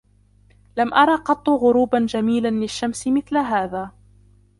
لم أرى قط غروبا جميلا للشمس مثل هذا.